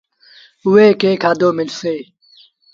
اُئي کي کآڌو ملسي۔